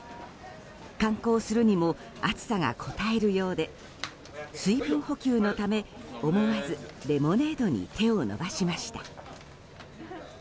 観光するにも暑さがこたえるようで水分補給のため、思わずレモネードに手を伸ばしました。